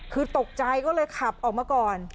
คือตกใจก็เลยขับออกมาก่อน